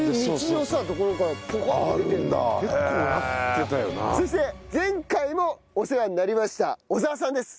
そして前回もお世話になりました小澤さんです。